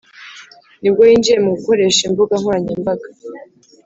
nibwo yinjiye mu gukoresha imbuga nkoranyambaga